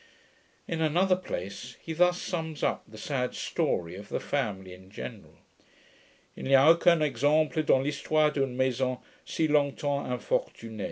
In another place he thus sums up the sad story of the family in general: II n'y a aucun exemple dans l'histoire d'une maison si longtems infortunee.